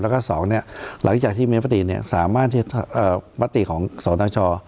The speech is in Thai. แล้วก็สองเนี่ยหลังจากที่มีปฏิเนี่ยสามารถที่ปฏิของสวนช